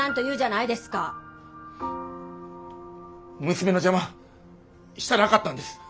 娘の邪魔したなかったんです。